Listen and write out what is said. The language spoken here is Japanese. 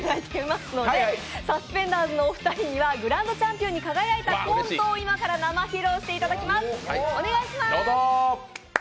サスペンターズのお二人にはグランドチャンピオンに輝いたコントを今から生披露していただきます。